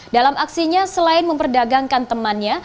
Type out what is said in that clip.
dalam aksinya selain memperdagangkan temannya